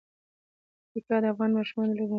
پکتیکا د افغان ماشومانو د لوبو موضوع ده.